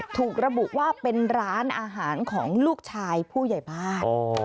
ถูกระบุว่าเป็นร้านอาหารของลูกชายผู้ใหญ่บ้าน